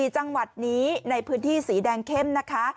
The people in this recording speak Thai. ๔จังหวัดนี้ในพื้นที่สีแดงเข้มนะคะ